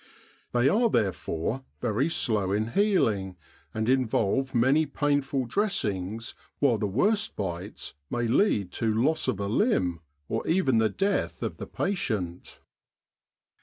They are therefore very slow in healing, and involve many painful dressings, while the worst bites may lead to loss of a limb, or even the death of the patient.